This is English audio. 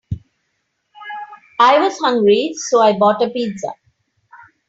I was hungry, so I bought a pizza.